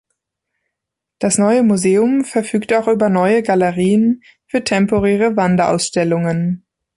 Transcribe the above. Das neue Museum verfügt auch über neue Galerien für temporäre Wanderausstellungen.